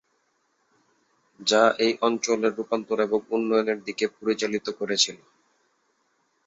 যা এই অঞ্চলের রূপান্তর এবং উন্নয়নের দিকে পরিচালিত করেছিল।